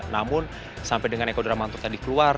namun sampai dengan eko darmanto tadi keluar